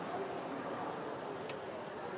นำมาให้ประชาชนได้รับชมเป็นยังไงเป็นบ้างตัวเบาะจะเป็นเบาะหนัง